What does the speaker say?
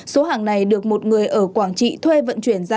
số hàng này được một người ở quảng trị thuê vận chuyển ra